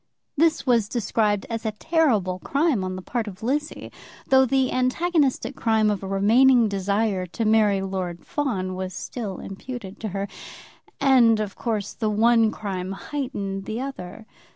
This was described as a terrible crime on the part of Lizzie, though the antagonistic crime of a remaining desire to marry Lord Fawn was still imputed to her. And, of course, the one crime heightened the other.